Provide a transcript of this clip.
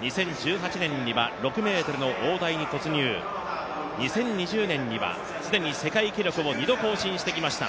２０１８年には６ｍの大台に突入、２０２０年には既に世界記録を２度更新してきました。